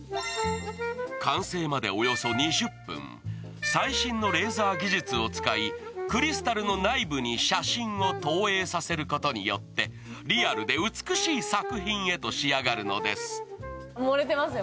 完成までおよそ２０分、最新のレーザー技術を使いクリスタルの内部に写真を投影させることによってリアルで美しい作品へと仕上がるのです。